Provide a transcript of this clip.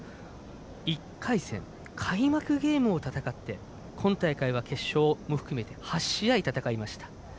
１回戦、開幕ゲームを戦って今大会は決勝も含めて８試合戦いました。